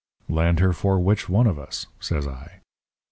"'Land her for which one of us?' says I.